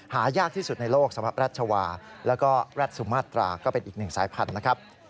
หายากที่สุดในโลกสำหรับรัชวาแล้วก็รัฐสุมาตราก็เป็นอีกหนึ่งสายพันธุ์นะครับ